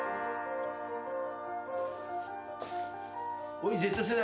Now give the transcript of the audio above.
おいＺ世代。